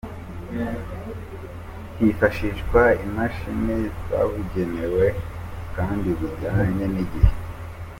Hifashishwa Imashini zabugenewe kandi zijyanye n'igihe.